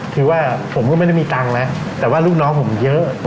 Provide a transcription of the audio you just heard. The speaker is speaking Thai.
คือว่าผมก็ไม่ได้มีตังค์แล้วแต่ว่าลูกน้องผมเยอะ